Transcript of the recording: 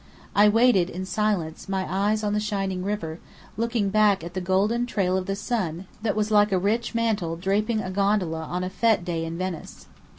I waited, in silence, my eyes on the shining river, looking back at the golden trail of the sun that was like a rich mantle draping a gondola on a fête day in Venice.